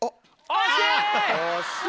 惜しい！